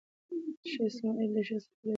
شاه اسماعیل د شیخ صفي الدین اردبیلي لمسی و.